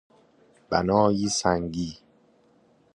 بنایی سنگی